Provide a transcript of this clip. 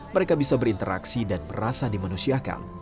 mereka bisa berinteraksi dan merasa dimanusiakan